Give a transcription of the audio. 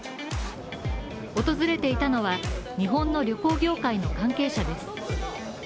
訪れていたのは、日本の旅行業界の関係者です。